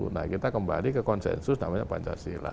nah kita kembali ke konsensus namanya pancasila